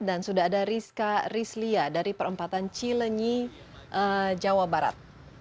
dan sudah ada rizka rizlia dari perempatan cilenyi jawa barat